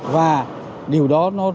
và điều đó nó